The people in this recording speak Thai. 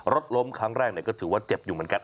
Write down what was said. รถล้มครั้งแรกก็ถือว่าเจ็บอยู่เหมือนกัน